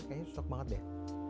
kayaknya susah banget deh